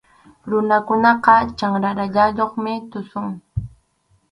Runakunaqa chanrarayuqmi tusun.